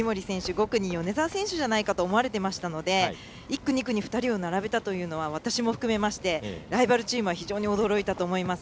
５区に米澤選手じゃないかと思われていたので１区、２区に２人を並べたというのは私も含めましてライバルチームは非常に驚いたと思います。